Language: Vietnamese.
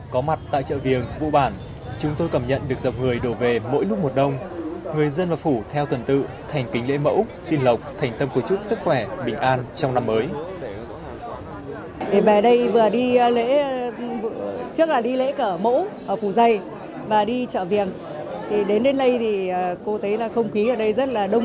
có mặt tại chợ viền vụ bàn chúng tôi cảm nhận được dọc người đổ về mỗi lúc một đông